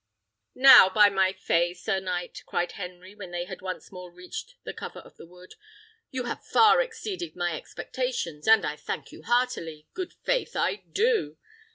"Now, by my fay, sir knight!" cried Henry, when they had once more reached the cover of the wood, "you have far exceeded my expectations; and I thank you heartily good faith, I do!